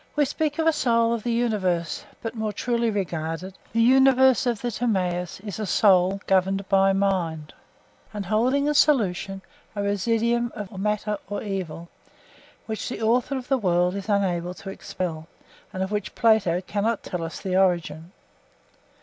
We speak of a soul of the universe; but more truly regarded, the universe of the Timaeus is a soul, governed by mind, and holding in solution a residuum of matter or evil, which the author of the world is unable to expel, and of which Plato cannot tell us the origin.